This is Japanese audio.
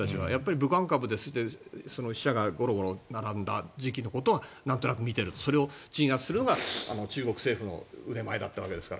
武漢株で死者がゴロゴロ並んだ時期のことはなんとなく見ているそれを鎮圧するのが中国政府の腕前だったわけですから。